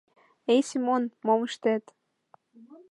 Эй, Семон, мом ыштет